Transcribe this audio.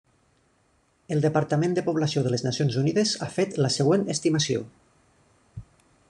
El Departament de Població de les Nacions Unides ha fet la següent estimació.